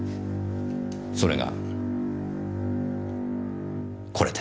それがこれです。